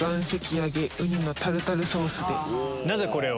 なぜこれを？